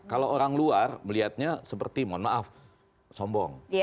kalau orang luar melihatnya seperti mohon maaf sombong